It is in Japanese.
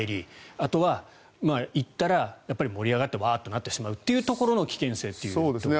あとは行ったら盛り上がってワーッとなってしまうというところの危険性というところですよね。